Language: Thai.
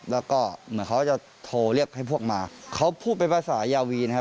แล้วก็เหมือนเขาจะโทรเรียกให้พวกมาเขาพูดเป็นภาษายาวีนะครับ